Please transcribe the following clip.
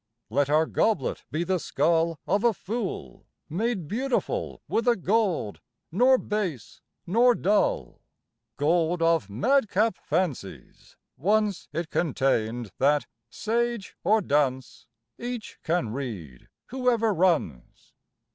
Let our goblet be the skull Of a fool; made beautiful With a gold nor base nor dull: Gold of madcap fancies, once It contained, that, sage or dunce, Each can read whoever runs.